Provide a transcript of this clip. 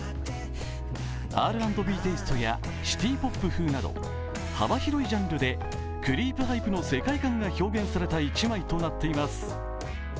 Ｒ＆Ｂテイストやシティポップ風など幅広いジャンルでクリープハイプの世界観が表現された一枚となっています。